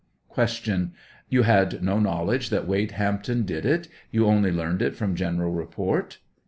Q. You had no knowledge that Wade Hampton did it; you only learned it from general report?